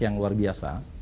yang luar biasa